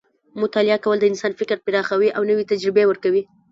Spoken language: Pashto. مطالعه کول د انسان فکر پراخوي او نوې تجربې ورکوي.